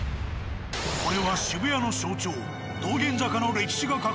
これは渋谷の象徴。